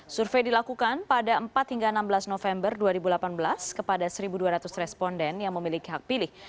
survei dilakukan pada empat hingga enam belas november dua ribu delapan belas kepada satu dua ratus responden yang memiliki hak pilih